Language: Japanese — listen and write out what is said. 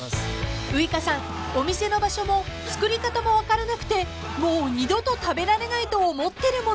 ［ウイカさんお店の場所も作り方も分からなくてもう二度と食べられないと思ってるものがあるそうで］